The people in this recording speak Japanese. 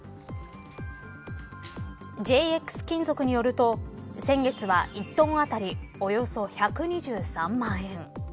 ＪＸ金属によると先月は、１トン当たりおよそ１２３万円。